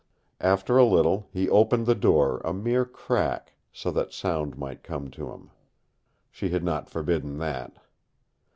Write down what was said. After a little he opened the door a mere crack so that sound might come to him. She had not forbidden that.